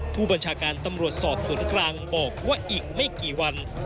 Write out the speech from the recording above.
ผู้บัญชาการตำรวจสอบสวนกลางบอกว่าอีกไม่กี่วัน